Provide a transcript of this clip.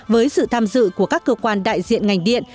với sự tham dự của các cơ quan đại diện ngành điện